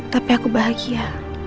tapi aku bahagia